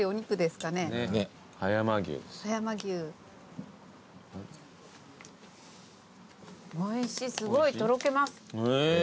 すごいとろけます。